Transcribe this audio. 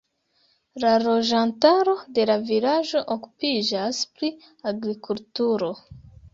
La loĝantaro de la vilaĝo okupiĝas pri agrikulturo.